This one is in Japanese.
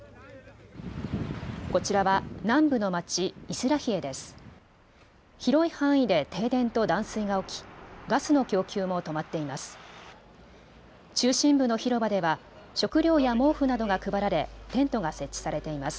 こちらは南部の町、イスラヒエです。